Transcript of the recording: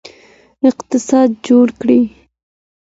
اقتصاد جوړ کړئ.